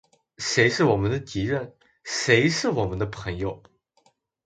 谁是我们的敌人？谁是我们的朋友？